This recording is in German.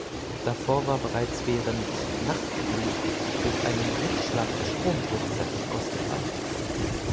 Davor war bereits während "Nachtflug" durch einen Blitzschlag der Strom kurzzeitig ausgefallen.